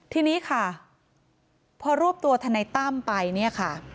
ทีนี้ค่ะพอรูปตัวธนัยตั้มไป